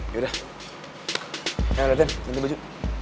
ya udah ayo latin nanti baju